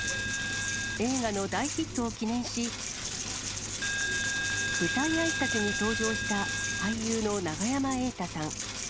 映画の大ヒットを記念し、舞台あいさつに登場した俳優の永山瑛太さん。